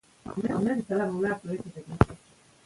هغې وویل ځینې خلک د سړو په زغملو کې وړتیا لري.